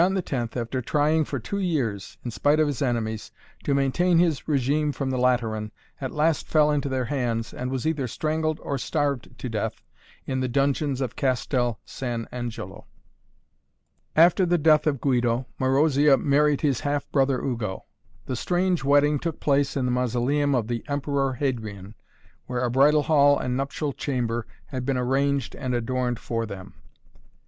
after trying for two years, in spite of his enemies, to maintain his regime from the Lateran, at last fell into their hands and was either strangled or starved to death in the dungeons of Castel San Angelo. After the death of Guido, Marozia married his half brother Ugo. The strange wedding took place in the Mausoleum of the Emperor Hadrian, where a bridal hall and nuptial chamber had been arranged and adorned for them.